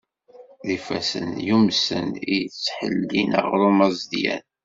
D ifassen yumsen, i d-yettḥellin aɣrum azedyan.